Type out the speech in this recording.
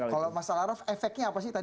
kalau mas alaraf efeknya apa sih